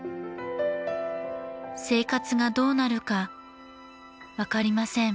生活がどうなるか分かりません。